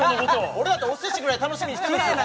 俺だってお寿司ぐらい楽しみにしてますよ！